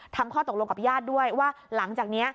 ข้อตกลงกับญาติด้วยว่าหลังจากนี้